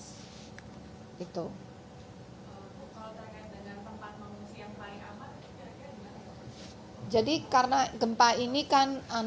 kalau terkait dengan tempat manusia yang paling amat berapa jaraknya di daerah ini